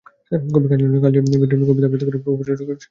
কবি কাজী নজরুলের কালজয়ী বিদ্রোহী কবিতা আবৃতি করেন প্রকৌশলী রফিক সিকদার।